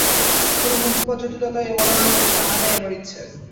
কোনো মন্তব্য বা কোনো জটিলতা এ বর্ণনার মধ্যে না আনাই আমার ইচ্ছে।